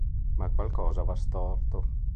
Ma qualcosa va storto...